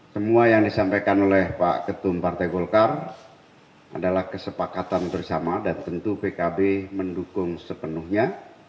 semua yang disampaikan oleh pak ketum partai golkar adalah kesepakatan bersama dan tentu pkb mendukung sepenuhnya